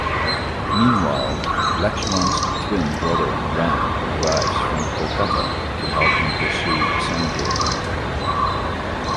Meanwhile, Lakshman's twin brother Ram arrives from Kolkata to help him pursue Sanjay.